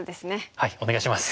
はいお願いします。